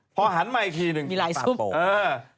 พอหันมาอีกทีหนึ่งปลาโป่ง